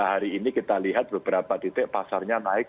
hari ini kita lihat beberapa titik pasarnya naik